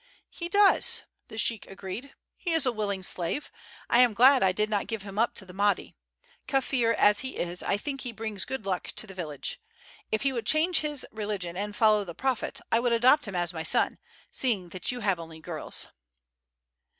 "He does," the sheik agreed; "he is a willing slave. I am glad I did not give him up to the Mahdi. Kaffir as he is, I think he brings good luck to the village. If he would change his religion and follow the Prophet I would adopt him as my son, seeing that you have only girls."